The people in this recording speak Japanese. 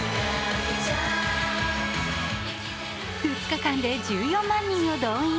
２日間で１４万人を動員。